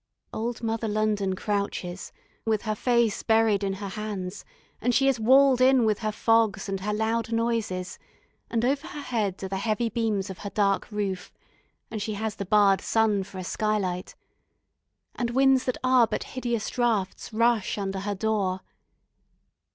Old Mother London crouches, with her face buried in her hands; and she is walled in with her fogs and her loud noises, and over her head are the heavy beams of her dark roof, and she has the barred sun for a skylight, and winds that are but hideous draughts rush under her door.